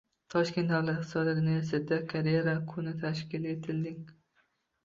Toshkent davlat iqtisodiyot universitetida “Karera kuni” tashkil etilding